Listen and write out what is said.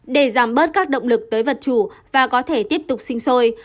để giảm bớt các động lực tới vật chủ và có thể tiếp tục sinh sôi